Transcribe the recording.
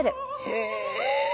へえ。